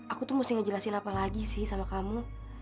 aku tuh mesti ngejelasin apa lagi sih sama kamu